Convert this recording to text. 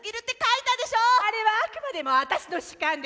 あれはあくまでもあたしの主観ですから。